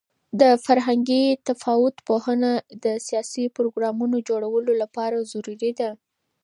د فرهنګي تفاوت پوهه د سیاسي پروګرامونو جوړولو لپاره ضروري ده.